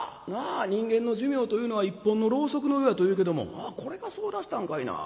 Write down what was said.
人間の寿命というのは一本のろうそくのようやというけどもこれがそうだしたんかいな。